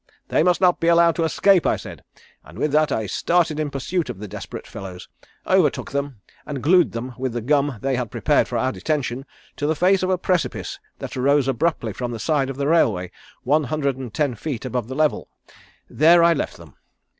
'They must not be allowed to escape,' I said, and with that I started in pursuit of the desperate fellows, overtook them, and glued them with the gum they had prepared for our detention to the face of a precipice that rose abruptly from the side of the railway, one hundred and ten feet above the level. There I left them.